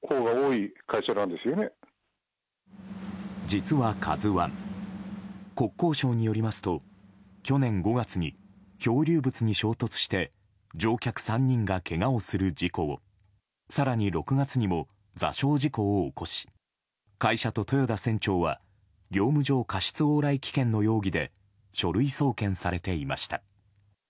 実は「ＫＡＺＵ１」国交省によりますと去年５月に漂流物に衝突して乗客３人がけがをする事故を更に６月にも座礁事故を起こし会社と豊田船長は業務上過失往来危険の容疑で書類送検されていました。